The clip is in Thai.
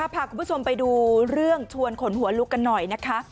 พาคุณผู้ชมไปดูเรื่องชวนขนหัวลุกกันหน่อยนะคะ